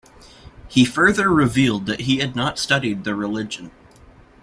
He further revealed that he had not studied the religion.